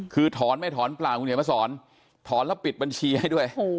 คือถอนไม่ถอนเปล่าคุณเขียนมาสอนถอนแล้วปิดบัญชีให้ด้วย